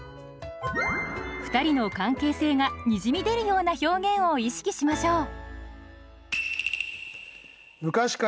ふたりの関係性がにじみ出るような表現を意識しましょう。